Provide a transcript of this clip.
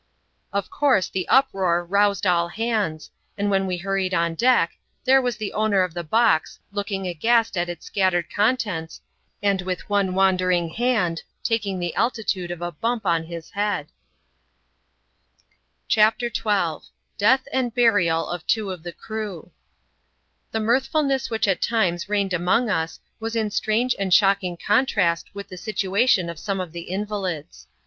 Of course the uproar roused all hands, and when we hurried on deck, there was the owner of the box, looking aghast at its scattered contents, and with one wandering hand taking the altitude of a bump on his head. 44 ADVENTURES IN THE SOUTH SEAS. [cHAP.m CHAPTER Xn. Death and burial of two of the crew. The mirthfulness which at times reigned among us was in strange and shocking contrast with the situation of some of the invalids.